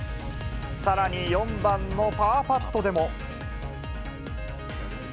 さらに４番のパーパットでも。